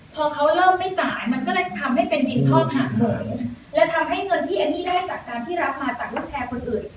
พอเขาเริ่มไม่จ่ายมันก็เลยทำให้เป็นดินท่องหักเลยและทำให้เงินที่เอมมี่ได้จากการที่รับมาจากลูกแชร์คนอื่น